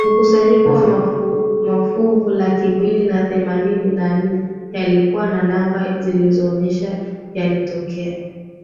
mkusanyiko wa mafuvu laki mbili na themanini na nne yalikuwa na namba zilizoonyesha yalitokea